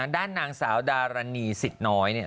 ด้านนางสาวดารนีศิษย์น้อยนี่